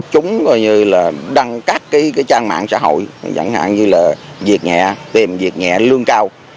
chúng gọi như là đăng các cái trang mạng xã hội chẳng hạn như là việc nghệ tìm việc nghệ lương cao